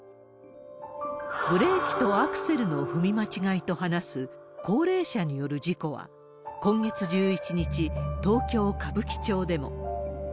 ブレーキとアクセルの踏み間違いと話す高齢者による事故は、今月１１日、東京・歌舞伎町でも。